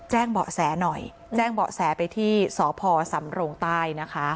เบาะแสหน่อยแจ้งเบาะแสไปที่สพสำรงใต้นะคะ